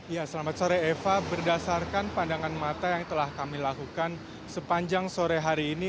ya selamat sore eva berdasarkan pandangan mata yang telah kami lakukan sepanjang sore hari ini